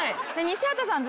西畑さん